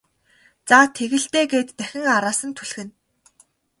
За тэг л дээ гээд дахин араас нь түлхэнэ.